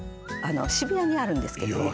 渋谷にあるんですけどね